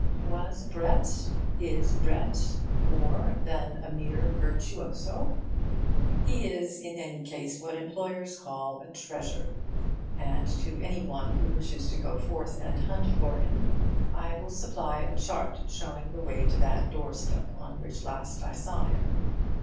Was Brett, is Brett more than a mere virtuoso? He is in any case what employers call a treasure, and to any one who wishes to go forth and hunt for him I will supply a chart showing the way to that doorstep on which last I saw him.